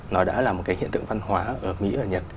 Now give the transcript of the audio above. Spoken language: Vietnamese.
nó đã là một cái hiện tượng văn hóa ở mỹ và nhật